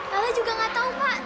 lala juga gak tahu pak